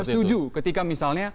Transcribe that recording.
akan setuju ketika misalnya